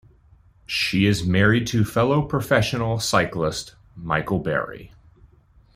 She is married to fellow professionial cyclist Michael Barry.